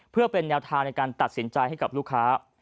เพื่อเป็นแนวทางในการตัดสินใจให้กับลูกค้า